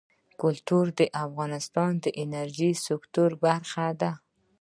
کلتور د افغانستان د انرژۍ سکتور برخه ده.